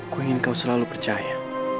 ku ingin kau selalu percaya